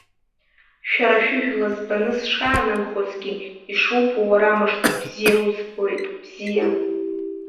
Шәара шәыжәла збаны сшаанымхозгьы, ишубо, уара мыжда, бзиа узбоит, бзиа!